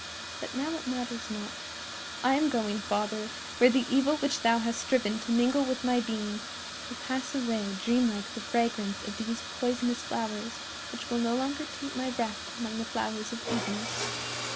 "But now it matters not. I am going, father, where the evil which thou hast striven to mingle with my being will pass away like a dream like the fragrance of these poisonous flowers, which will no longer taint my breath among the flowers of Eden.